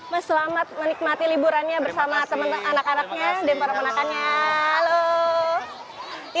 mas selamat menikmati liburannya bersama temen anak anaknya dan para ponakannya